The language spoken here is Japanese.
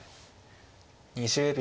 ２０秒。